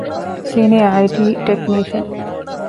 ސީނިއަރ އައި.ޓީ. ޓެކްނީޝަން